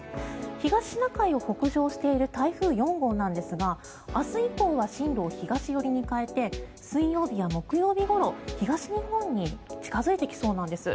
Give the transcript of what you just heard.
東シナ海を北上している台風４号なんですが明日以降は進路を東寄りに変えて水曜日や木曜日ごろ東日本に近付いてきそうなんです。